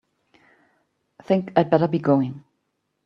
Think I'd better be going.